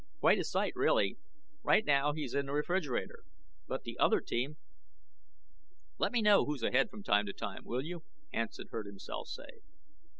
Quite a sight, really. Right now he's in the refrigerator, but the other team " "Let me know who's ahead from time to time, will you?" Hansen heard himself say.